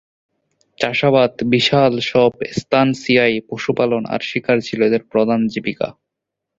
চাষাবাদ, বিশাল সব "এস্তানসিয়ায়" পশুপালন আর শিকার ছিল এদের প্রধান জীবিকা।